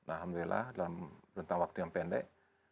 alhamdulillah dalam rentang waktu yang pendek